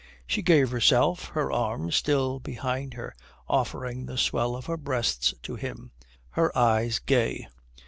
She gave herself, her arms still behind her, offering the swell of her breasts to him, her eyes gay....